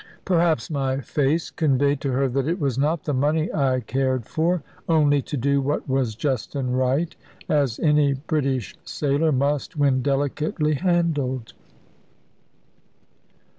Perhaps my face conveyed to her that it was not the money I cared for; only to do what was just and right, as any British sailor must when delicately handled.